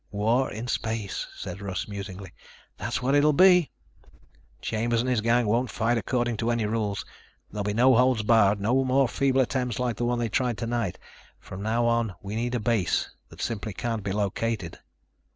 "War in space," said Russ, musingly. "That's what it will be." "Chambers and his gang won't fight according to any rules. There'll be no holds barred, no more feeble attempts like the one they tried tonight. From now on we need a base that simply can't be located."